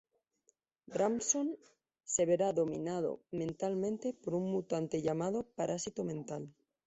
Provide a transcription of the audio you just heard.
Samson se verá dominado mentalmente por un mutante llamado parásito mental.